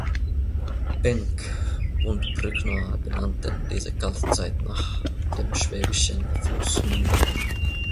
Penck und Brückner benannten diese Kaltzeit nach dem schwäbischen Fluss Mindel.